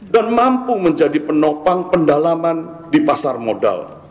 dan mampu menjadi penopang pendalaman di pasar modal